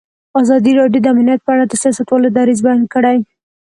ازادي راډیو د امنیت په اړه د سیاستوالو دریځ بیان کړی.